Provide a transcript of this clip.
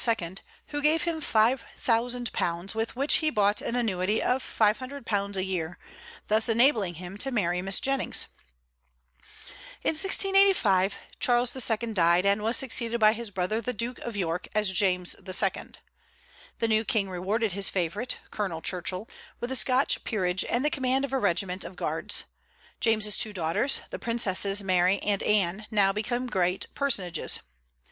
who gave him £5000, with which he bought an annuity of £500 a year, thus enabling him to marry Miss Jennings. In 1685 Charles II. died, and was succeeded by his brother the Duke of York, as James II. The new King rewarded his favorite, Colonel Churchill, with a Scotch peerage and the command of a regiment of guards, James's two daughters, the princesses Mary and Anne, now became great personages.